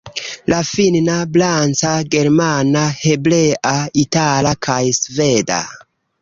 la finna, franca, germana, hebrea, itala kaj sveda.